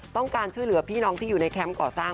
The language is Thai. ต้องการช่วยเหลือพี่น้องที่อยู่ในแคมป์ก่อสร้าง